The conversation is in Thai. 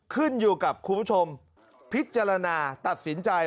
ขึ้นอยู่กับคุณผู้ชมพิจารณาตัดสินใจ